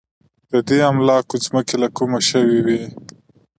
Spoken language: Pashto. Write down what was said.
د دې املاکو ځمکې له کومه شوې وې.